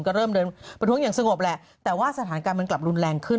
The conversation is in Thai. ก็เริ่มเดินประท้วงอย่างสงบแหละแต่ว่าสถานการณ์มันกลับรุนแรงขึ้น